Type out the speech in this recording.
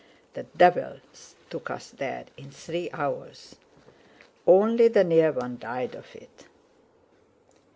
The devils took us there in three hours! Only the near one died of it."